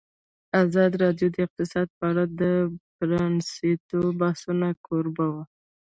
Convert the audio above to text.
ازادي راډیو د اقتصاد په اړه د پرانیستو بحثونو کوربه وه.